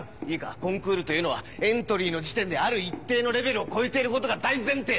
コンクールというのはエントリーの時点である一定のレベルを超えていることが大前提だ！